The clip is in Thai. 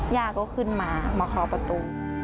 ย่าก็ขึ้นมามาเคาะประตู